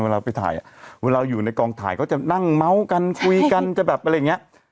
เวลาไปถ่ายอ่ะเวลาอยู่ในกองถ่ายก็จะนั่งเม้ากันคุยกันจะแบบอะไรอย่างนี้